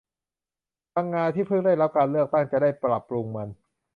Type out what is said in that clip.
พังงาที่เพิ่งได้รับการเลือกตั้งจะได้ปรับปรุงมัน